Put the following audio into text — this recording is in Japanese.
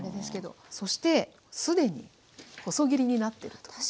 そして既に細切りになってると。